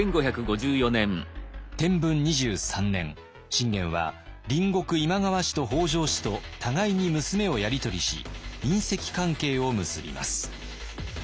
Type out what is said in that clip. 信玄は隣国今川氏と北条氏と互いに娘をやり取りし姻戚関係を結びます。